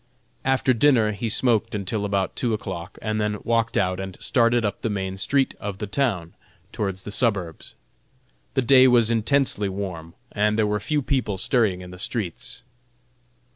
After dinner he smoked until about two o'clock, and then walked out and started up the main street of the town, towards the suburbs. The day was intensely warm, and there were few people stirring in the streets.